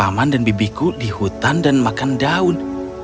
aku harus menjaga keamanan dan bebeku di hutan dan makan daun